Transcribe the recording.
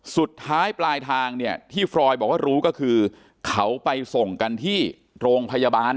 สุดท้ายปลายทางเนี่ยที่ฟรอยบอกว่ารู้ก็คือเขาไปส่งกันที่โรงพยาบาล